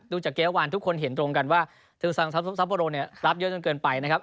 ดูจากเกลียดวันทุกคนเห็นตรงกันว่าธรรมทรัพย์ทรัพย์รับเยอะจนเกินไปนะครับ